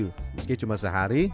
meski cuma sehari